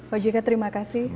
pak jika terima kasih